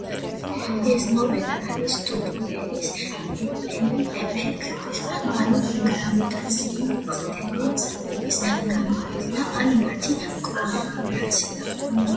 ეს მოვლენა არის დოპლერის ეფექტის ანუ გრავიტაციული წითელი ძვრის გამოვლენა ან მათი კომბინაცია.